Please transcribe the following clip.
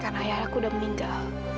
karena ayah aku udah meninggal